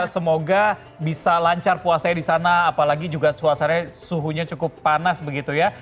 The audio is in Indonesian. semoga bisa lancar puasanya di sana apalagi juga suasananya suhunya cukup panas begitu ya